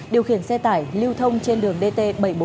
điều khiển xe tải lưu thông trên đường dt bảy trăm bốn mươi